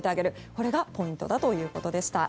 これがポイントだということでした。